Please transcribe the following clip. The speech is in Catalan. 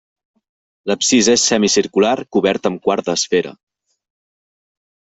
L'absis és semicircular cobert amb quart d'esfera.